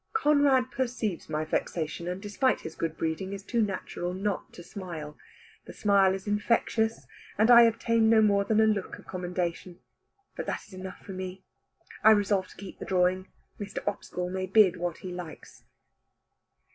Conrad perceives my vexation, and despite his good breeding is too natural not to smile. The smile is infectious, and I obtain no more than a look of commendation. But that is enough for me. I resolve to keep the drawing: Mr. Oxgall may bid what he likes.